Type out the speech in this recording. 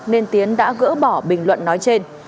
nên tiến đã gỡ bỏ bình luận nói trên